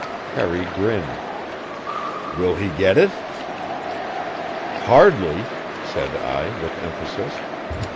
Harry grinned. "Will he get it?" "Hardly," said I with emphasis.